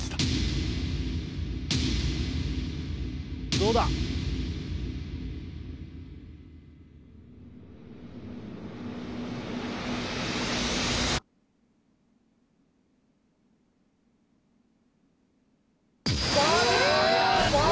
どうだ？え！